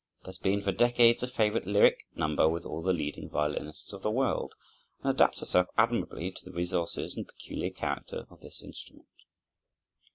It has been, for decades, a favorite lyric number with all the leading violinists of the world, and adapts itself admirably to the resources and peculiar character of this instrument.